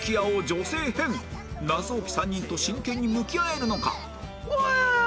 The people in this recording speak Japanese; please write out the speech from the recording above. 謎多き３人と真剣に向き合えるのか？